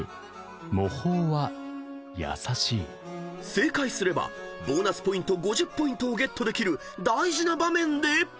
［正解すればボーナスポイント５０ポイントをゲットできる大事な場面で］